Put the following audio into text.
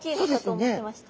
思ってました。